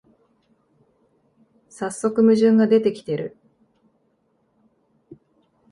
さっそく矛盾が出てきてる